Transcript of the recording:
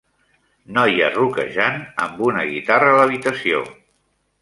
Noia rockejant amb una guitarra a l'habitació.